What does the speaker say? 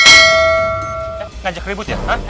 eh ngajak ribut ya hah